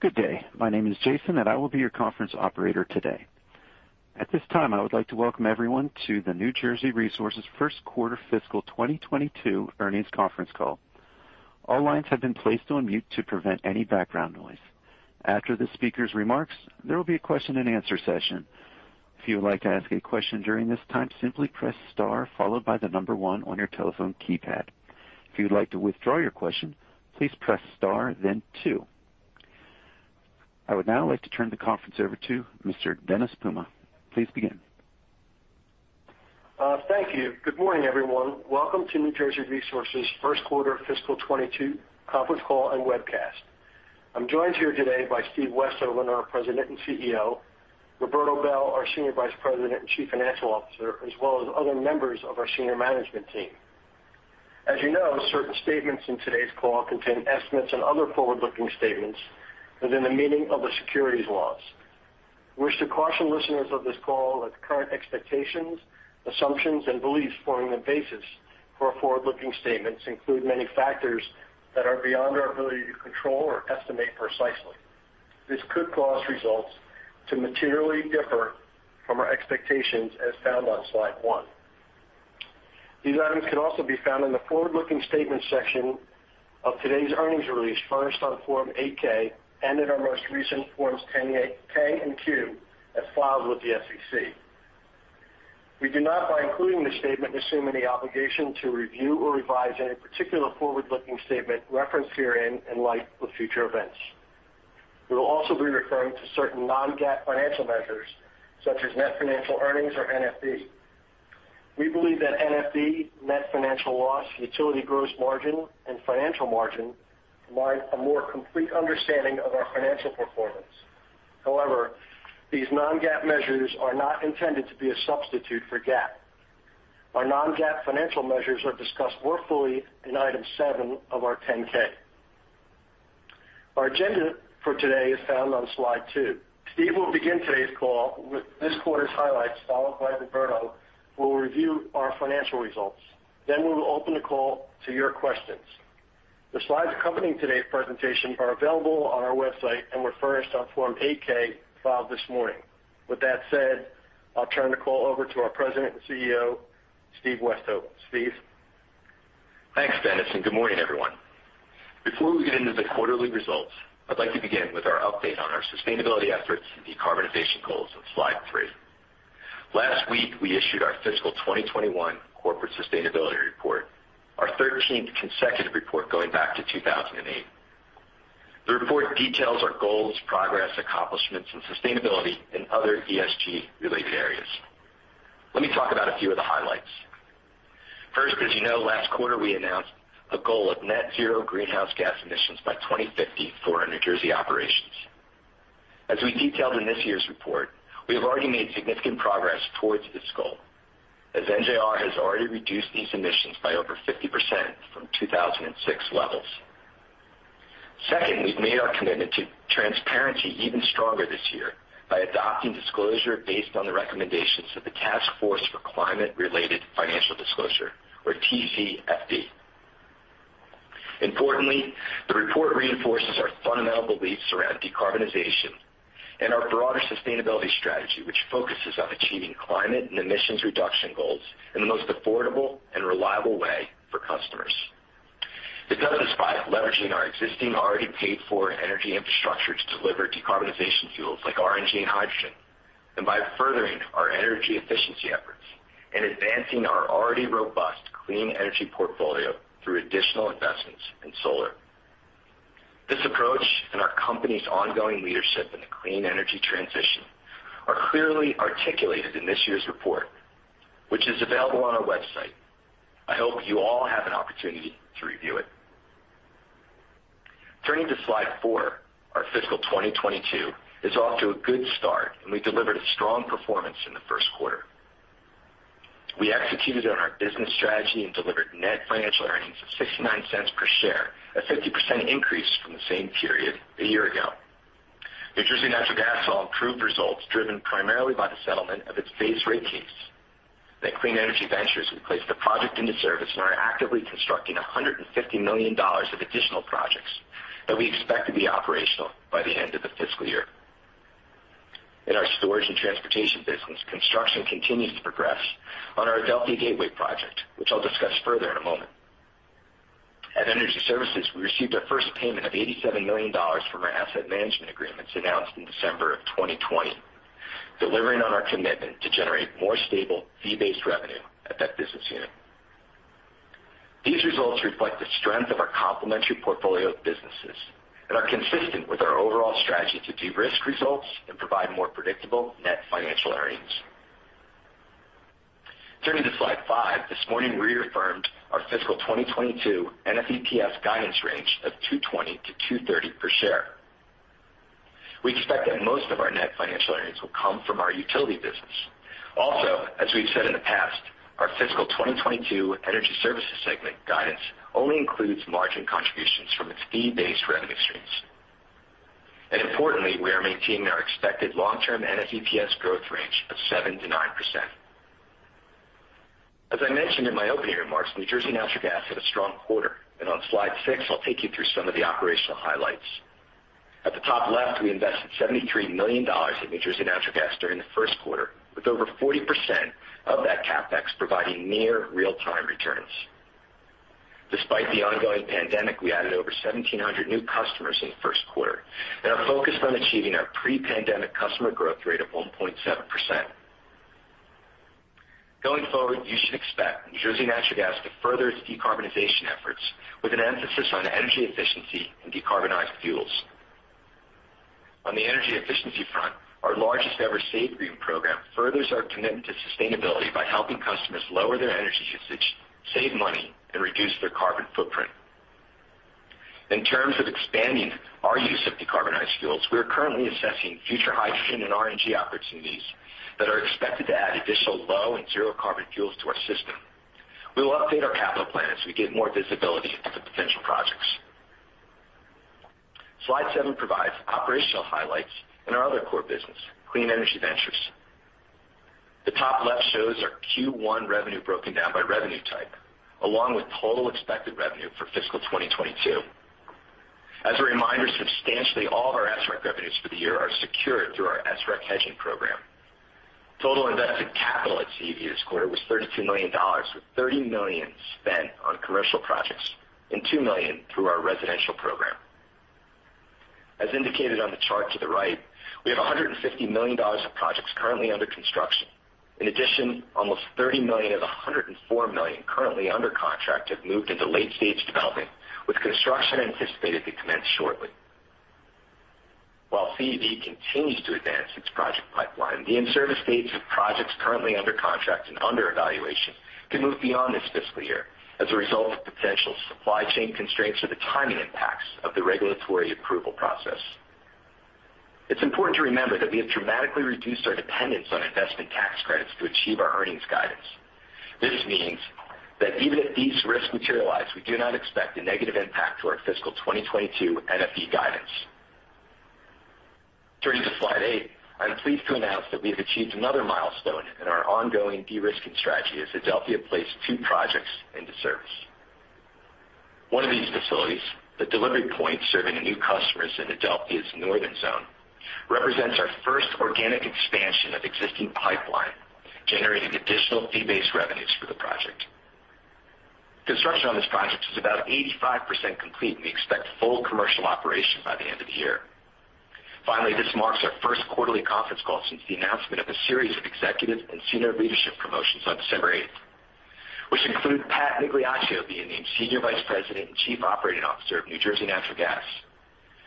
Good day. My name is Jason, and I will be your conference operator today. At this time, I would like to welcome everyone to the New Jersey Resources First Quarter Fiscal 2022 earnings conference call. All lines have been placed on mute to prevent any background noise. After the speaker's remarks, there will be a question-and-answer session. If you would like to ask a question during this time, simply press star followed by the number one on your telephone keypad. If you would like to withdraw your question, please press star, then two. I would now like to turn the conference over to Mr. Dennis Puma. Please begin. Thank you. Good morning, everyone. Welcome to New Jersey Resources First Quarter Fiscal 2022 conference call and webcast. I'm joined here today by Steve Westhoven, our President and CEO, Roberto Bel, our Senior Vice President and Chief Financial Officer, as well as other members of our senior management team. As you know, certain statements in today's call contain estimates and other forward-looking statements within the meaning of the securities laws. We wish to caution listeners of this call that current expectations, assumptions, and beliefs forming the basis for our forward-looking statements include many factors that are beyond our ability to control or estimate precisely. This could cause results to materially differ from our expectations as found on slide one. These items can also be found in the Forward-Looking Statement section of today's earnings release, furnished on Form 8-K, and in our most recent Forms 10-K, 8-K, and 10-Q as filed with the SEC. We do not, by including the statement, assume any obligation to review or revise any particular forward-looking statement referenced herein in light of future events. We will also be referring to certain non-GAAP financial measures, such as net financial earnings or NFE. We believe that NFE, net financial loss, utility gross margin, and financial margin provide a more complete understanding of our financial performance. However, these non-GAAP measures are not intended to be a substitute for GAAP. Our non-GAAP financial measures are discussed more fully in item seven of our 10-K. Our agenda for today is found on slide two. Steve will begin today's call with this quarter's highlights, followed by Roberto, who will review our financial results. We will open the call to your questions. The slides accompanying today's presentation are available on our website and were furnished on Form 8-K filed this morning. With that said, I'll turn the call over to our President and CEO, Steve Westhoven. Steve? Thanks, Dennis, and good morning, everyone. Before we get into the quarterly results, I'd like to begin with our update on our sustainability efforts and decarbonization goals on slide three. Last week, we issued our fiscal 2021 corporate sustainability report, our 13th consecutive report going back to 2008. The report details our goals, progress, accomplishments in sustainability and other ESG-related areas. Let me talk about a few of the highlights. First, as you know, last quarter we announced a goal of net zero greenhouse gas emissions by 2050 for our New Jersey operations. As we detailed in this year's report, we have already made significant progress towards this goal, as NJR has already reduced these emissions by over 50% from 2006 levels. Second, we've made our commitment to transparency even stronger this year by adopting disclosure based on the recommendations of the Task Force on Climate-related Financial Disclosures, or TCFD. Importantly, the report reinforces our fundamental beliefs around decarbonization and our broader sustainability strategy, which focuses on achieving climate and emissions reduction goals in the most affordable and reliable way for customers. It does this by leveraging our existing, already paid for energy infrastructure to deliver decarbonization fuels like RNG and hydrogen, and by furthering our energy efficiency efforts and advancing our already robust clean energy portfolio through additional investments in solar. This approach and our company's ongoing leadership in the clean energy transition are clearly articulated in this year's report, which is available on our website. I hope you all have an opportunity to review it. Turning to slide four, our fiscal 2022 is off to a good start, and we delivered a strong performance in the first quarter. We executed on our business strategy and delivered net financial earnings of $0.69 per share, a 50% increase from the same period a year ago. New Jersey Natural Gas saw improved results driven primarily by the settlement of its base rate case. At Clean Energy Ventures, we placed a project into service and are actively constructing $150 million of additional projects that we expect to be operational by the end of the fiscal year. In our Storage and Transportation business, construction continues to progress on our Adelphia Gateway project, which I'll discuss further in a moment. At Energy Services, we received our first payment of $87 million from our asset management agreements announced in December 2020, delivering on our commitment to generate more stable fee-based revenue at that business unit. These results reflect the strength of our complementary portfolio of businesses and are consistent with our overall strategy to de-risk results and provide more predictable net financial earnings. Turning to slide five, this morning, we reaffirmed our fiscal 2022 NFEPS guidance range of $2.20-$2.30 per share. We expect that most of our net financial earnings will come from our utility business. Also, as we've said in the past, our fiscal 2022 energy services segment guidance only includes margin contributions from its fee-based revenue streams. Importantly, we are maintaining our expected long-term NFEPS growth range of 7%-9%. As I mentioned in my opening remarks, New Jersey Natural Gas had a strong quarter. On slide six, I'll take you through some of the operational highlights. At the top left, we invested $73 million in New Jersey Natural Gas during the first quarter, with over 40% of that CAPEX providing near real-time returns. Despite the ongoing pandemic, we added over 1,700 new customers in the first quarter, and are focused on achieving our pre-pandemic customer growth rate of 1.7%. Going forward, you should expect New Jersey Natural Gas to further its decarbonization efforts with an emphasis on energy efficiency and decarbonized fuels. On the energy efficiency front, our largest ever SAVEGREEN Project furthers our commitment to sustainability by helping customers lower their energy usage, save money, and reduce their carbon footprint. In terms of expanding our use of decarbonized fuels, we are currently assessing future hydrogen and RNG opportunities that are expected to add additional low and zero carbon fuels to our system. We will update our capital plan as we get more visibility into the potential projects. Slide seven provides operational highlights in our other core business, Clean Energy Ventures. The top left shows our Q1 revenue broken down by revenue type, along with total expected revenue for fiscal 2022. As a reminder, substantially all of our SREC revenues for the year are secured through our SREC hedging program. Total invested capital at CEV this quarter was $32 million, with $30 million spent on commercial projects and $2 million through our residential program. As indicated on the chart to the right, we have $150 million of projects currently under construction. In addition, almost $30 million of the $104 million currently under contract have moved into late-stage development, with construction anticipated to commence shortly. While CEV continues to advance its project pipeline, the in-service dates of projects currently under contract and under evaluation could move beyond this fiscal year as a result of potential supply chain constraints or the timing impacts of the regulatory approval process. It's important to remember that we have dramatically reduced our dependence on investment tax credits to achieve our earnings guidance. This means that even if these risks materialize, we do not expect a negative impact to our fiscal 2022 NFE guidance. Turning to slide eight, I'm pleased to announce that we have achieved another milestone in our ongoing de-risking strategy as Adelphia placed two projects into service. One of these facilities, the delivery point serving the new customers in Adelphia's Northern Zone, represents our first organic expansion of existing pipeline, generating additional fee-based revenues for the project. Construction on this project is about 85% complete, and we expect full commercial operation by the end of the year. Finally, this marks our first quarterly conference call since the announcement of a series of executive and senior leadership promotions on December 8th, which include Pat Migliaccio being named Senior Vice President and Chief Operating Officer of New Jersey Natural Gas,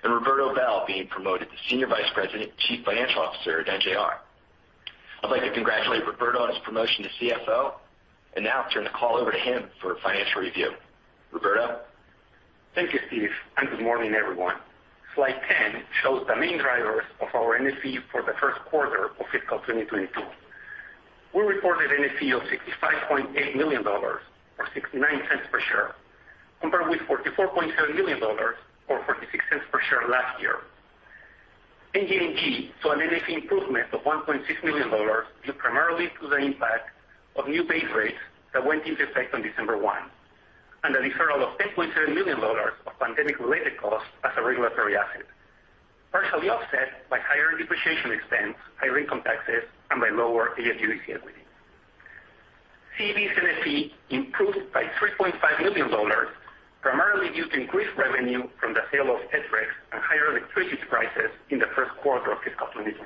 and Roberto Bel being promoted to Senior Vice President and Chief Financial Officer at NJR. I'd like to congratulate Roberto on his promotion to CFO, and now turn the call over to him for a financial review. Roberto? Thank you, Steve, and good morning, everyone. Slide 10 shows the main drivers of our NFE for the first quarter of fiscal 2022. We reported NFE of $65.8 million or $0.69 per share, compared with $44.7 million or $0.46 per share last year. NJNG saw an NFE improvement of $1.6 million due primarily to the impact of new base rates that went into effect on December 1, and the deferral of $10.7 million of pandemic-related costs as a regulatory asset, partially offset by higher depreciation expense, higher income taxes, and by lower AFUDC equity. CEV's NFE improved by $3.5 million, primarily due to increased revenue from the sale of SRECs and higher electricity prices in the first quarter of fiscal 2022.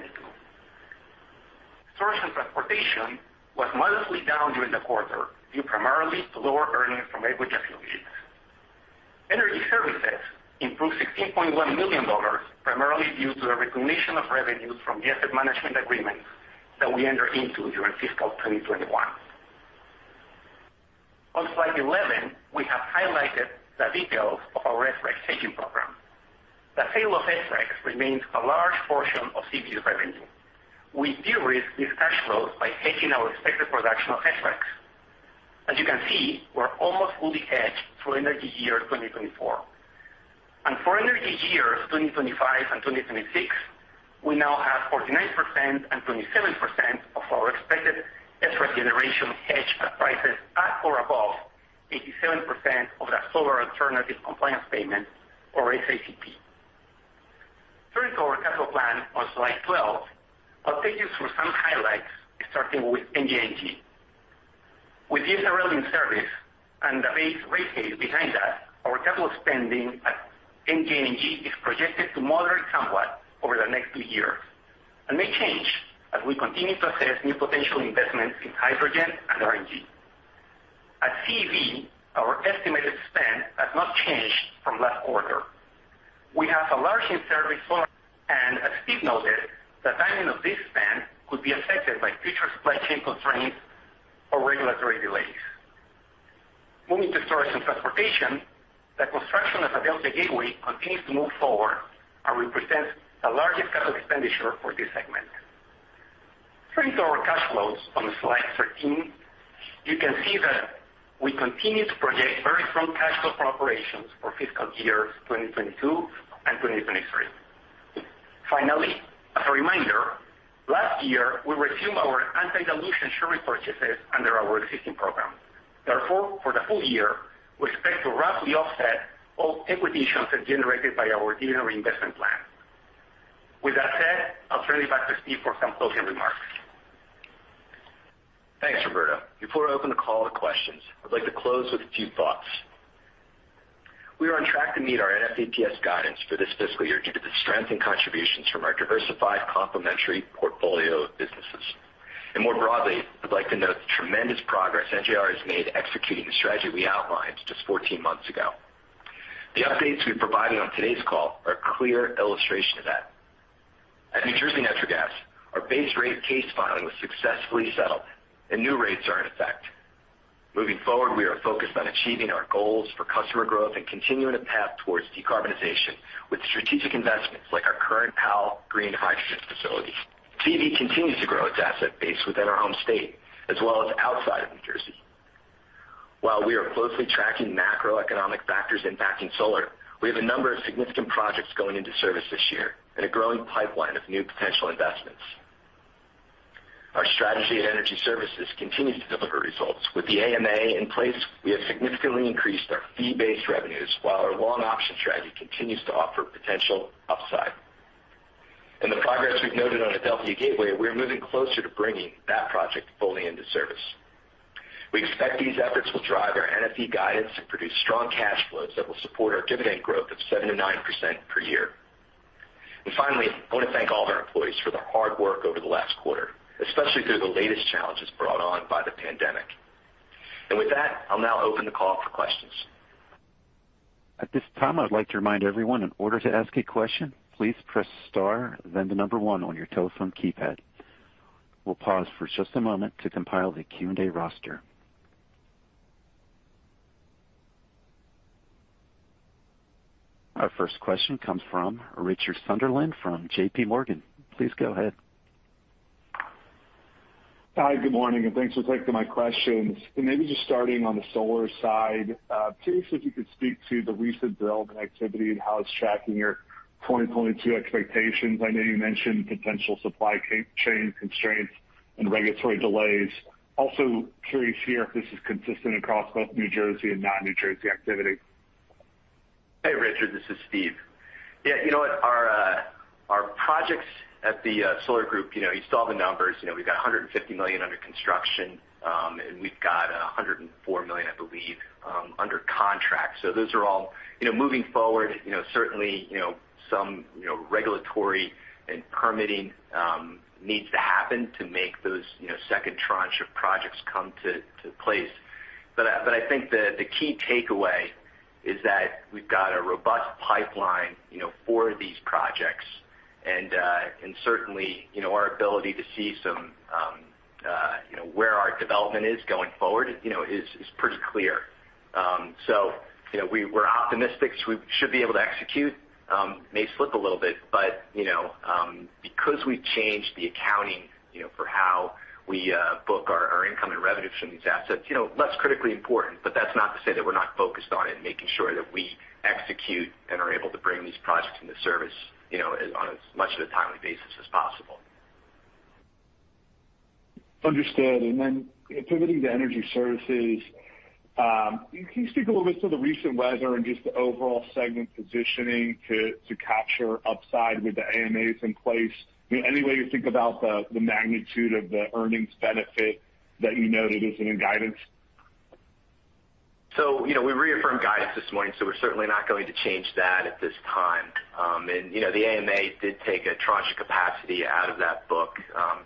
Storage and Transportation was modestly down during the quarter, due primarily to lower earnings from AWG affiliates. Energy Services improved $16.1 million primarily due to the recognition of revenues from the asset management agreements that we entered into during fiscal 2021. On slide 11, we have highlighted the details of our SREC hedging program. The sale of SRECs remains a large portion of CEV's revenue. We de-risk these cash flows by hedging our expected production of SRECs. As you can see, we're almost fully hedged through energy year 2024. For energy years 2025 and 2026, we now have 49% and 27% of our expected SREC generation hedged at prices at or above 87% of the Solar Alternative Compliance Payment or SACP. Turning to our capital plan on slide 12, I'll take you through some highlights, starting with NJNG. With Eastern Reliability in service and the base rate case behind that, our capital spending at NJNG is projected to moderate somewhat over the next two years and may change as we continue to assess new potential investments in hydrogen and RNG. At CEV, our estimated spend has not changed from last quarter. We have a large in-service solar, and as Steve noted, the timing of this spend could be affected by future supply chain constraints or regulatory delays. Moving to Storage and Transportation, the construction of Adelphia Gateway continues to move forward and represents the largest capital expenditure for this segment. Turning to our cash flows on slide 13, you can see that we continue to project very strong cash flow for operations for fiscal years 2022 and 2023. Finally, as a reminder, last year, we resumed our anti-dilution share repurchases under our existing program. Therefore, for the full year, we expect to roughly offset all equity issuance generated by our dividend reinvestment plan. With that said, I'll turn it back to Steve for some closing remarks. Thanks, Roberto. Before I open the call to questions, I'd like to close with a few thoughts. We are on track to meet our NFEPS guidance for this fiscal year due to the strength and contributions from our diversified complementary portfolio of businesses. More broadly, I'd like to note the tremendous progress NJR has made executing the strategy we outlined just 14 months ago. The updates we've provided on today's call are a clear illustration of that. At New Jersey Natural Gas, our base rate case filing was successfully settled, and new rates are in effect. Moving forward, we are focused on achieving our goals for customer growth and continuing a path towards decarbonization with strategic investments like our current pilot green hydrogen facility. CEV continues to grow its asset base within our home state, as well as outside of New Jersey. While we are closely tracking macroeconomic factors impacting solar, we have a number of significant projects going into service this year and a growing pipeline of new potential investments. Our strategy at Energy Services continues to deliver results. With the AMA in place, we have significantly increased our fee-based revenues, while our long option strategy continues to offer potential upside. In the progress we've noted on Adelphia Gateway, we're moving closer to bringing that project fully into service. We expect these efforts will drive our NFE guidance to produce strong cash flows that will support our dividend growth of 7%-9% per year. Finally, I want to thank all of our employees for their hard work over the last quarter, especially through the latest challenges brought on by the pandemic. With that, I'll now open the call for questions. At this time, I would like to remind everyone in order to ask a question, please press star then the number one on your telephone keypad. We'll pause for just a moment to compile the Q&A roster. Our first question comes from Richard Sunderland from JPMorgan. Please go ahead. Hi, good morning, and thanks for taking my questions. Maybe just starting on the solar side, curious if you could speak to the recent development activity and how it's tracking your 2022 expectations. I know you mentioned potential supply chain constraints and regulatory delays. Also curious here if this is consistent across both New Jersey and non-New Jersey activity. Hey, Richard. This is Steve. Yeah, you know what? Our projects at the solar group, you know, you saw the numbers. You know, we've got $150 million under construction, and we've got $104 million, I believe, under contract. So those are all you know, moving forward, you know, certainly, you know, some you know, regulatory and permitting needs to happen to make those you know, second tranche of projects come to place. But I think the key takeaway is that we've got a robust pipeline, you know, for these projects. And certainly, you know, our ability to see some you know, where our development is going forward, you know, is pretty clear. So, you know, we're optimistic. We should be able to execute. May slip a little bit, but, you know, because we've changed the accounting, you know, for how we book our income and revenue from these assets, you know, that's critically important, but that's not to say that we're not focused on it and making sure that we execute and are able to bring these projects into service, you know, on as much of a timely basis as possible. Understood. Pivoting to Energy Services, can you speak a little bit to the recent weather and just the overall segment positioning to capture upside with the AMAs in place? Any way you think about the magnitude of the earnings benefit that you noted is in the guidance? You know, we reaffirmed guidance this morning, so we're certainly not going to change that at this time. You know, the AMA did take a tranche of capacity out of that book,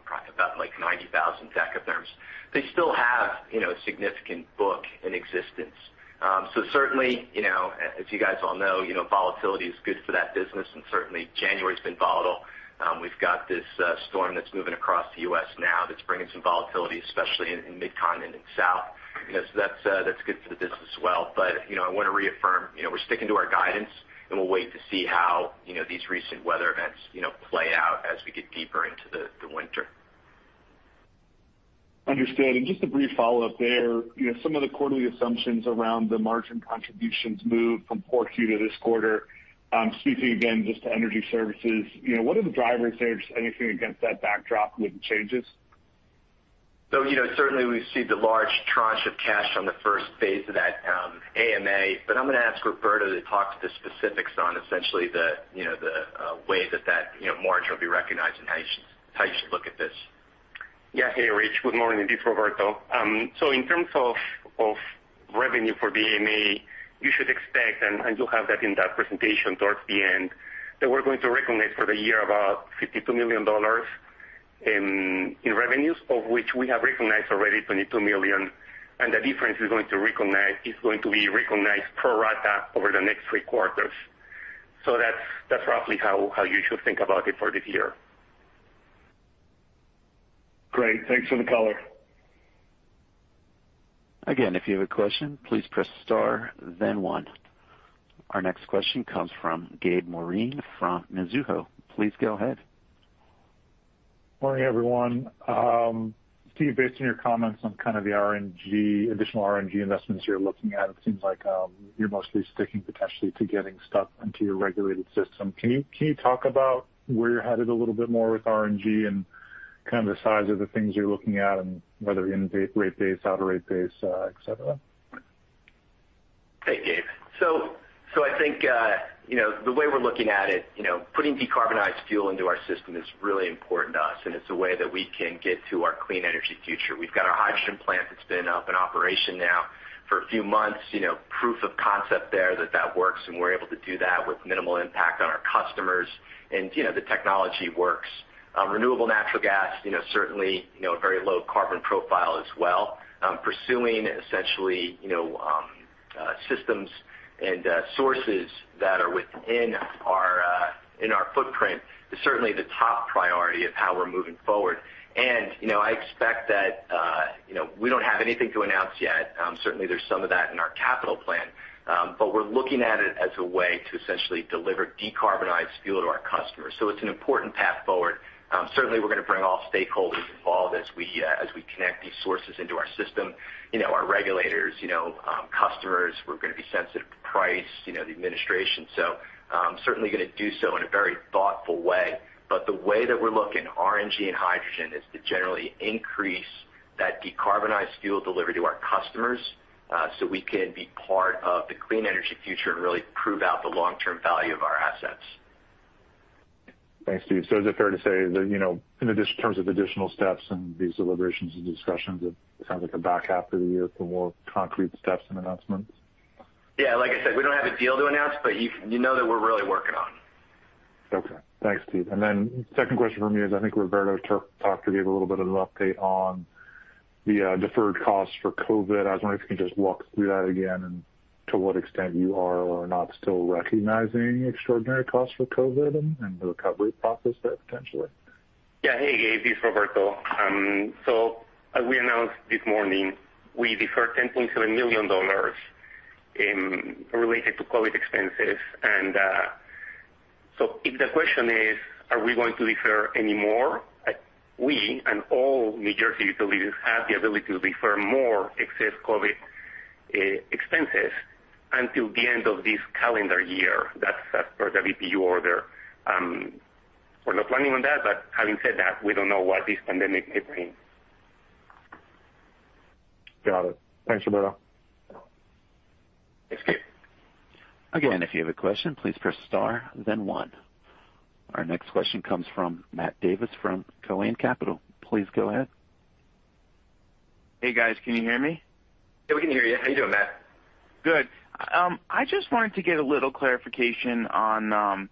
probably about, like, 90,000 dekatherms. They still have, you know, a significant book in existence. Certainly, you know, as you guys all know, you know, volatility is good for that business, and certainly January's been volatile. We've got this storm that's moving across the U.S. now that's bringing some volatility, especially in Mid-Con and the South. You know, that's good for the business as well. You know, I want to reaffirm, you know, we're sticking to our guidance, and we'll wait to see how, you know, these recent weather events, you know, play out as we get deeper into the winter. Understood. Just a brief follow-up there. You know, some of the quarterly assumptions around the margin contributions moved from 4Q to this quarter. Speaking again just to Energy Services, you know, what are the drivers there, just anything against that backdrop with the changes? You know, certainly we've received a large tranche of cash on the first phase of that AMA, but I'm gonna ask Roberto to talk to the specifics on essentially the way that margin will be recognized and how you should look at this. Yeah. Hey, Rich. Good morning. This is Roberto. In terms of revenue for the AMA, you should expect, and you'll have that in that presentation towards the end, that we're going to recognize for the year about $52 million in revenues, of which we have recognized already $22 million, and the difference is going to be recognized pro rata over the next three quarters. That's roughly how you should think about it for this year. Great. Thanks for the color. Again, if you have a question, please press star then one. Our next question comes from Gabriel Moreen from Mizuho. Please go ahead. Morning, everyone. Steve, based on your comments on kind of the RNG, additional RNG investments you're looking at, it seems like you're mostly sticking potentially to getting stuff into your regulated system. Can you talk about where you're headed a little bit more with RNG and kind of the size of the things you're looking at and whether in rate base, out-of-rate base, et cetera? Hey, Gabe. I think, you know, the way we're looking at it, you know, putting decarbonized fuel into our system is really important to us, and it's a way that we can get to our clean energy future. We've got our hydrogen plant that's been up in operation now for a few months, you know, proof of concept there that works, and we're able to do that with minimal impact on our customers. You know, the technology works. Renewable natural gas, you know, certainly, you know, a very low carbon profile as well. Pursuing essentially, you know, systems and sources that are within our footprint is certainly the top priority of how we're moving forward. You know, I expect that, you know, we don't have anything to announce yet. Certainly, there's some of that in our capital plan. We're looking at it as a way to essentially deliver decarbonized fuel to our customers. It's an important path forward. Certainly, we're gonna bring all stakeholders involved as we connect these sources into our system. You know, our regulators, you know, customers, we're gonna be sensitive to price, you know, the administration. Certainly gonna do so in a very thoughtful way. The way that we're looking at RNG and hydrogen is to generally increase that decarbonized fuel delivery to our customers, so we can be part of the clean energy future and really prove out the long-term value of our assets. Thanks, Steve. Is it fair to say that, you know, in terms of additional steps and these deliberations and discussions, it sounds like the back half of the year for more concrete steps and announcements? Yeah. Like I said, we don't have a deal to announce, but you know that we're really working on it. Thanks, Steve. Second question from me is I think Roberto talked or gave a little bit of an update on the deferred costs for COVID. I was wondering if you can just walk through that again and to what extent you are or are not still recognizing extraordinary costs for COVID and the recovery process there potentially. Yeah. Hey, Gabe, this is Roberto. So as we announced this morning, we deferred $10.7 million related to COVID expenses. If the question is, are we going to defer any more? We and all New Jersey utilities have the ability to defer more excess COVID expenses until the end of this calendar year. That's as per the BPU order. We're not planning on that, but having said that, we don't know what this pandemic may bring. Got it. Thanks, Roberto. Thanks, Gabe. Again, if you have a question, please press star then one. Our next question comes from Matt Davis from Coann Capital. Please go ahead. Hey, guys. Can you hear me? Yeah, we can hear you. How you doing, Matt? Good. I just wanted to get a little clarification on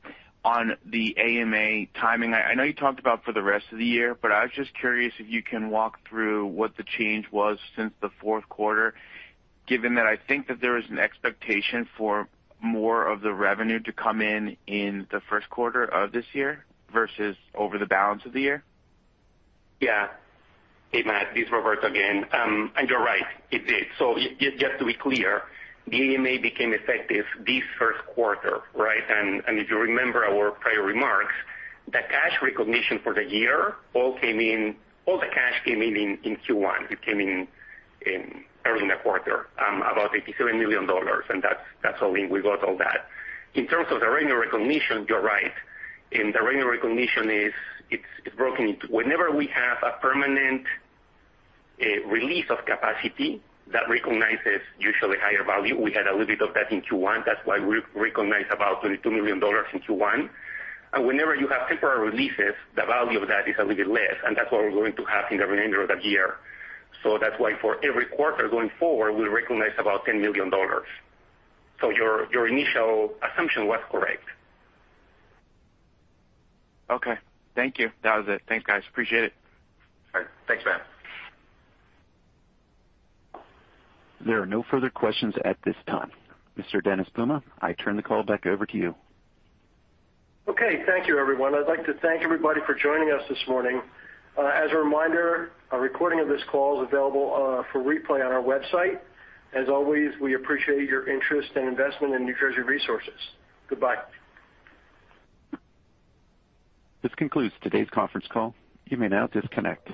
the AMA timing. I know you talked about for the rest of the year, but I was just curious if you can walk through what the change was since the fourth quarter, given that I think that there is an expectation for more of the revenue to come in in the first quarter of this year versus over the balance of the year. Yeah. Hey, Matt, this is Roberto again. You're right, it did. Just to be clear, the AMA became effective this first quarter, right? If you remember our prior remarks, the cash recognition for the year all came in in Q1. It came in early in the quarter, about $87 million, and that's all in. We got all that. In terms of the revenue recognition, you're right. The revenue recognition is broken into whenever we have a permanent release of capacity that recognizes usually higher value. We had a little bit of that in Q1, that's why we recognized about $22 million in Q1. Whenever you have temporary releases, the value of that is a little bit less, and that's what we're going to have in the remainder of the year. That's why for every quarter going forward, we'll recognize about $10 million. Your initial assumption was correct. Okay. Thank you. That was it. Thanks, guys. Appreciate it. All right. Thanks, Matt. There are no further questions at this time. Mr. Dennis Puma, I turn the call back over to you. Okay. Thank you, everyone. I'd like to thank everybody for joining us this morning. As a reminder, a recording of this call is available for replay on our website. As always, we appreciate your interest and investment in New Jersey Resources. Goodbye. This concludes today's conference call. You may now disconnect.